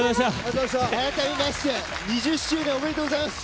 あらためまして２０周年おめでとうございます。